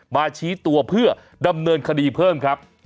ชี้ตัวเพื่อดำเนินคดีเพิ่มครับ